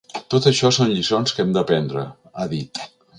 Tot això són lliçons que hem d’aprendre, ha dit.